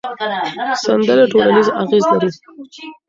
سندرې ټولنیز اغېز لري.